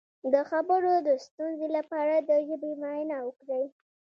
د خبرو د ستونزې لپاره د ژبې معاینه وکړئ